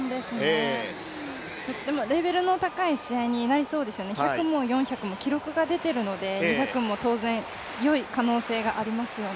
でもレベルの高い試合になりそうですね、１００も４００も記録が出ているので２００も当然よい可能性がありますよね。